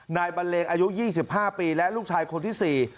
นายบังเลงอายุ๒๕ปีและลูกชายคนที่สี่